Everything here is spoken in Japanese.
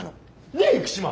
ねえ生島。